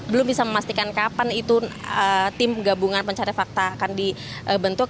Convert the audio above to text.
belum bisa memastikan kapan itu tim gabungan pencari fakta akan dibentuk